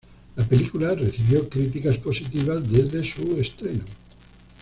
La película recibió críticas positivas desde su estreno.